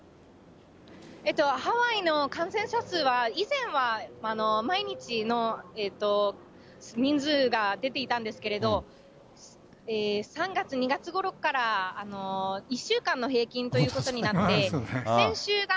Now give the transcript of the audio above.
ハワイの感染者数は、以前は毎日の人数が出ていたんですけれども、３月、２月ごろから１週間の平均ということになって、先週が、